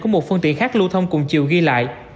của một phương tiện khác lưu thông cùng chiều ghi lại